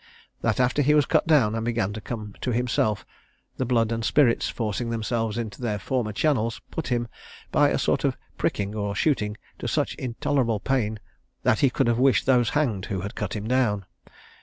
That after he was cut down, and began to come to himself, the blood and spirits, forcing themselves into their former channels, put him, by a sort of pricking or shooting, to such intolerable pain, that he could have wished those hanged who had cut him down."